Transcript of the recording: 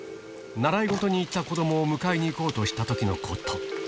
習い事に行った子どもを迎えにいこうとしたときのこと。